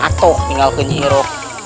atau tinggal ke jiro